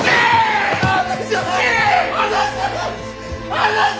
離せ！